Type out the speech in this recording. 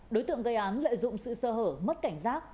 đối tượng gây án lợi dụng sự sơ hở mất cảnh giác